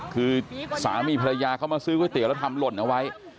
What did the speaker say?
คือสามีภรรยาเขามาซื้อก๋วเตี๋ยแล้วทำหล่นเอาไว้